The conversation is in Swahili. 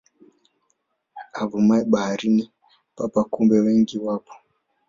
Avumaye baharini papa kumbe wengi wapo